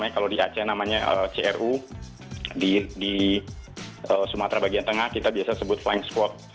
kalau di aceh namanya cru di sumatera bagian tengah kita biasa sebut flying spot